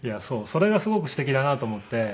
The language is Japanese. それがすごくすてきだなと思って。